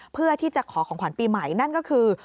เพื่อที่จะขอของขวัญปีใหม่นั่นก็คือ